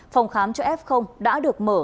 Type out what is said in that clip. phòng khám cho f đã được mở